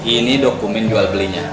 ini dokumen jual belinya